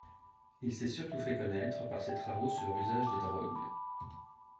Il s’est surtout fait connaître par ses travaux sur l’usage des drogues.